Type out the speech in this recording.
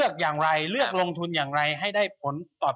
ก็ไม่ให้เลือกเยอะแยะมากมาก